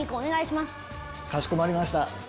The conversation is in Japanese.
かしこまりました。